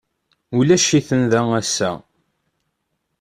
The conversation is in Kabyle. Ulac-iten da ass-a.